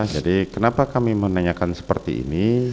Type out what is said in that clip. jadi kenapa kami menanyakan seperti ini